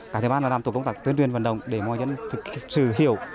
cái thứ ba là làm tổ công tác tuyên truyền vận động để mọi dân sự hiểu